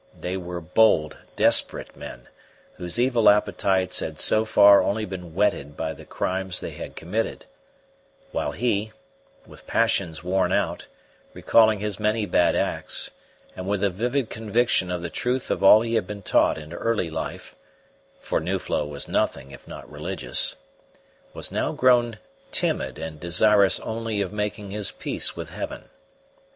They were bold, desperate men, whose evil appetites had so far only been whetted by the crimes they had committed; while he, with passions worn out, recalling his many bad acts, and with a vivid conviction of the truth of all he had been taught in early life for Nuflo was nothing if not religious was now grown timid and desirous only of making his peace with Heaven.